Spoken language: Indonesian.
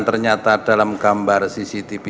ternyata dalam gambar cctv